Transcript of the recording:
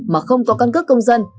mà không có căn cước công dân